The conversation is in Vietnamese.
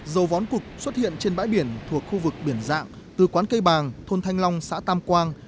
dầu vón cục xuất hiện trên bãi biển thuộc khu vực biển dạng từ quán cây bàng thôn thanh long xã tam quang